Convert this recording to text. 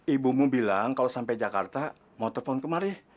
ibumu bilang kalau sampai jakarta mau telepon kemari